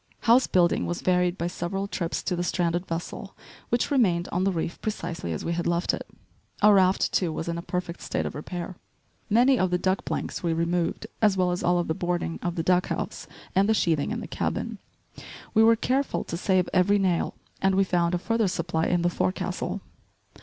House building was varied by several trips to the stranded vessel which remained on the reef precisely as we had left it. Our raft, too, was in a perfect state of repair. Many of the deck planks we removed, as well as all the boarding of the deck house and the sheathing in the cabin. We were careful to save every nail, and we found a further supply in the fore castle.